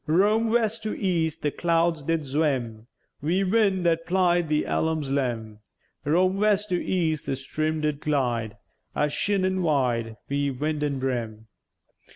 Vrom west to east the clouds did zwim Wi' wind that plied the elem's lim'; Vrom west to east the stream did glide, A sheenèn wide, wi' windèn brim.